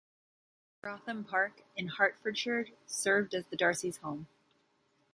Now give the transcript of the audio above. Wrotham Park in Hertfordshire served as the Darcys' home.